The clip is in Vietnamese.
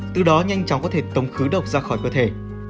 từ đó nhanh chóng có thể tống khứ độc ra khỏi cơ thể